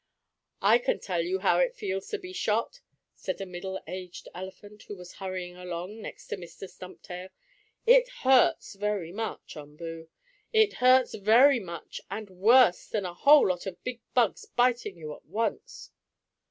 "I can tell you how it feels to be shot," said a middle aged elephant, who was hurrying along, next to Mr. Stumptail. "It hurts very much, Umboo! It hurts very much, and worse than a whole lot of big bugs biting you at once."